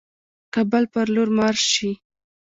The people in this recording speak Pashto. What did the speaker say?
کابل پر لور مارش شي.